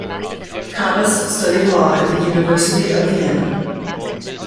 Kabas studied law at the University of Vienna.